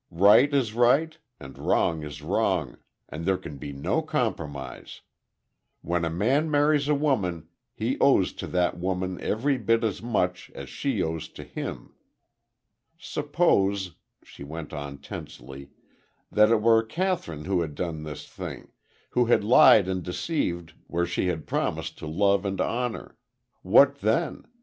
Right is right, and wrong is wrong; and there can be no compromise. When a man marries a woman, he owes to that woman every bit as much as she owes to him.... Suppose," she went on, tensely, "that it were Kathryn who had done this thing who had lied and deceived where she had promised to love and honor. What then?